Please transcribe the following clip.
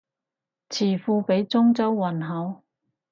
詞庫畀中州韻好